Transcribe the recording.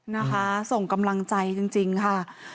นะคะส่งกำลังใจจริงค่ะ